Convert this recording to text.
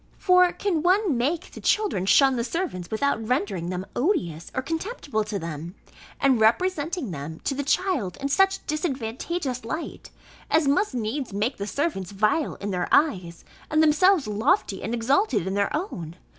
For can one make the children shun the servants without rendering them odious or contemptible to them, and representing them to the child in such disadvantageous light, as must needs make the servants vile in their eyes, and themselves lofty and exalted in their own?